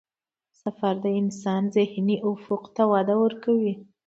سفر د انسان ذهني افق ته وده ورکوي.